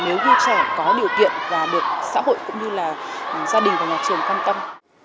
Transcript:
nếu như trẻ có điều kiện và được xã hội cũng như là gia đình và nhà trường quan tâm